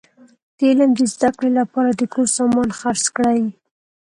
د علم د زده کړي له پاره د کور سامان خرڅ کړئ!